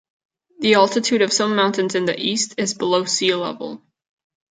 The altitude of some mountains in the east is below sea level.